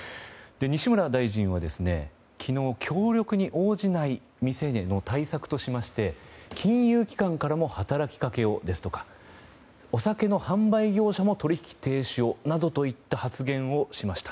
西村大臣は昨日、協力に応じない店への対策としまして、金融機関からも働きかけをですとかお酒の販売業者も取引停止をなどといった発言をしました。